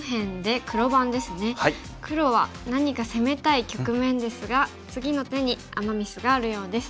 黒は何か攻めたい局面ですが次の手にアマ・ミスがあるようです。